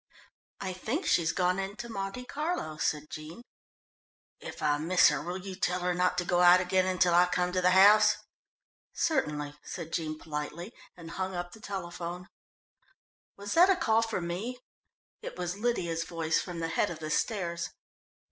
"I think she's gone in to Monte Carlo," said Jean. "If I miss her will you tell her not to go out again until I come to the house?" "Certainly," said Jean politely, and hung up the telephone. "Was that a call for me?" It was Lydia's voice from the head of the stairs.